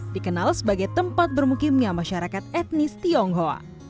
dikenal sebagai tempat bermukimnya masyarakat etnis tionghoa